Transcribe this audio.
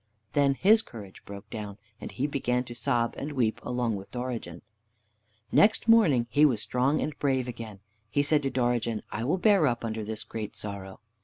Then his courage broke down, and he began to sob and weep along with Dorigen. Next morning he was strong and brave again. He said to Dorigen, "I will bear up under this great sorrow."